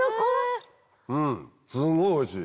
すごいおいしい！